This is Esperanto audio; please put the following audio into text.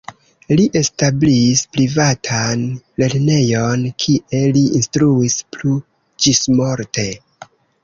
Li establis privatan lernejon, kie li instruis plu ĝismorte.